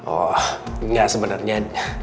oh nggak sebenarnya